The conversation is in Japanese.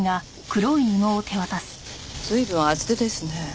随分厚手ですね。